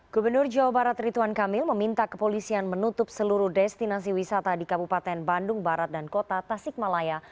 gubernur jawa barat rituan kamil meminta kepolisian menutup seluruh destinasi wisata di kabupaten bandung barat dan kota tasikmalaya